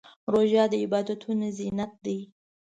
روژه د عبادتونو زینت دی.